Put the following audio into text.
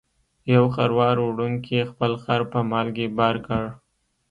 یو خروار وړونکي خپل خر په مالګې بار کړ.